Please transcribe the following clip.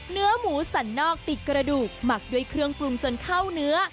เนื้อหมูสันนอกติดกระดูกหมักด้วยเครื่องปรุงจนเข้าเนื้อ